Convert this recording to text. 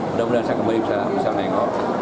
mudah mudahan saya kembali bisa nengok